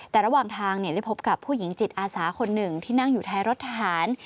แต่ระหว่างทางได้พบกับผู้หญิงจิตอาสาคนหนึ่งที่นั่งอยู่ท้ายรถทหาร